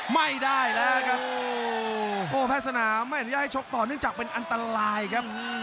ไม่ได้แล้วครับโอ้แพทย์สนามไม่อนุญาตให้ชกต่อเนื่องจากเป็นอันตรายครับ